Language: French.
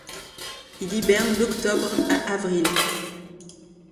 Il hiberne d'octobre à avril.